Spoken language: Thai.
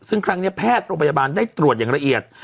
ซึ่งครั้งนี้แพทย์โรงพยาบาลได้ตรวจอย่างละเอียด